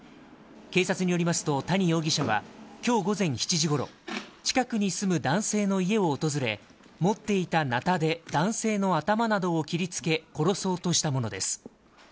警察によりますと、谷容疑者はきょう午前７時ごろ、近くに住む男性の家を訪れ、持っていたなたで男性の頭などを切りつけ、殺そうとしたものです。